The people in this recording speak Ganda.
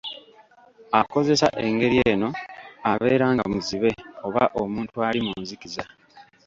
Akozesa engeri eno abeera nga muzibe, oba omuntu ali mu nzikiza.